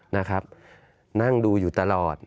นะครับนั่งดูอยู่ตลอด